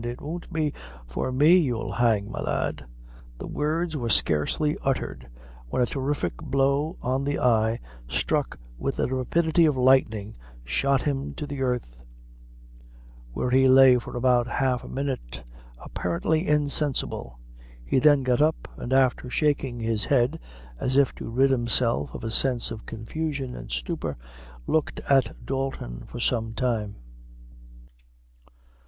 It won't be for me you'll hang, my lad." The words were scarcely uttered when a terrific blow on the eye, struck with the rapidity of lightning, shot him to the earth, where he lay for about half a minute, apparently insensible. He then got up, and after shaking his head, as if to rid himself of a sense of confusion and stupor, looked at Dalton for some time.